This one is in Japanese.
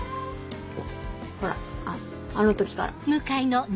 ほらあの時から。